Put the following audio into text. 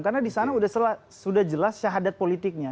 karena sudah jelas syahadat politiknya